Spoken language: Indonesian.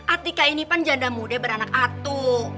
atika ini pun janda muda beranak atu